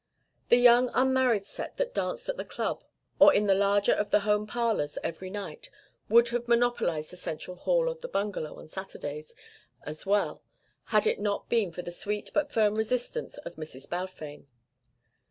The young unmarried set that danced at the Club or in the larger of the home parlours every night would have monopolised the central hall of the bungalow on Saturdays as well had it not been for the sweet but firm resistance of Mrs. Balfame.